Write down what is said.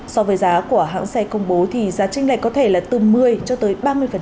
so với giá của hãng xe công bố thì giá tranh này có thể là từ một mươi cho tới ba mươi